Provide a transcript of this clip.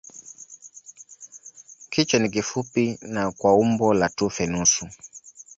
Kichwa ni kifupi na kwa umbo la tufe nusu.